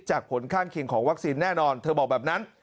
ผลข้างเคียงของวัคซีนแน่นอนเธอบอกแบบนั้น